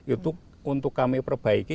itu untuk kami perbaiki